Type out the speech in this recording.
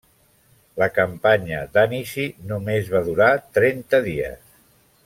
La campanya d'Anici només va durar trenta dies.